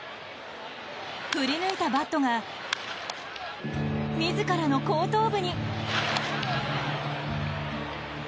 振り抜いたバットが自らの後頭部に。